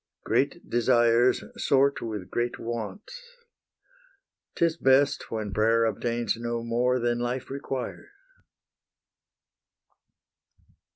Great desires Sort with great wants. 'Tis best, when prayer obtains No more than life requires.